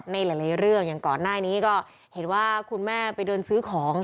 ในหลายเรื่องอย่างก่อนหน้านี้ก็เห็นว่าคุณแม่ไปเดินซื้อของ